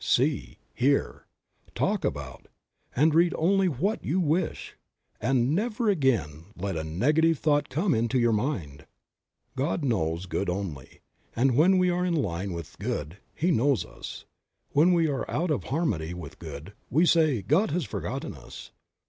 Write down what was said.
SEE, HEAR, TALK ABOUT, AND READ ONLY WHAT YOU WISH, AND NEVER AGAIN LET A NEGATIVE THOUGHT COME INTO YOUR MIND. God knows good only, and when we are in line with good He knows us ; when we are out of harmony with good, we say, "God has forgotten us."